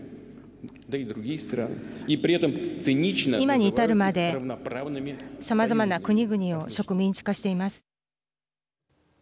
今に至るまでさまざまな国々を植民地化しています。